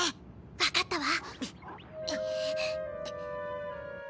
わかったわ。